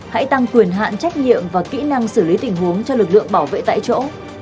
hãy tăng quyền hạn trách nhiệm và kỹ năng xử lý tình huống cho lực lượng bảo vệ tại chỗ